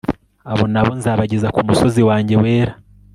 abo nabo nzabageza ku musozi wanjye wera